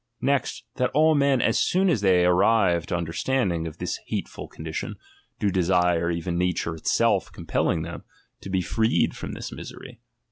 Next, that all men as soon as they arrive to understand ing of this hateful condition, do desire, even nature itself compelling them, to be freed from this misery.